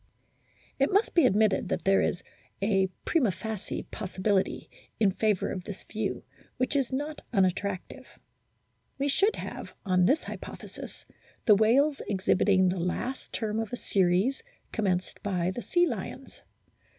It must be admitted that there is a prima facie possibility in favour of this view, which is not un attractive. We should have on this hypothesis the whales exhibiting the last term of a series commenced by the sea lions.